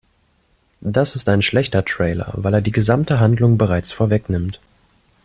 Das ist ein schlechter Trailer, weil er die gesamte Handlung bereits vorwegnimmt.